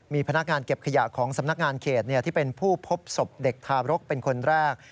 มีพนักงานเก็บขยะของสำนักงานเขตที่เป็นผู้พบศพเด็กทารกเป็นคนแรก